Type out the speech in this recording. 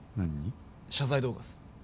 謝罪動画っす。